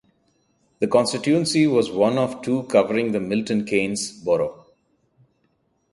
The constituency was one of two covering the Milton Keynes borough.